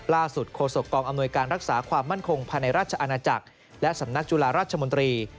โคศกองอำนวยการรักษาความมั่นคงภายในราชอาณาจักรและสำนักจุฬาราชมนตรี